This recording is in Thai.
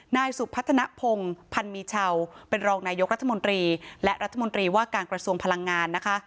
นายสุพัฒนภงพันมีเช่าเป็นรองนายกรัฐมนตรีและรัฐมนตรีว่าการกระทรวงพลังงานนะคะ